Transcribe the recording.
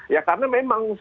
ya karena memang